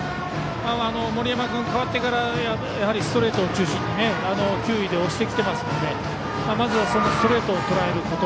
森山君、代わってからやはりストレート中心に球威で押してきていますのでまずは、そのストレートをとらえること。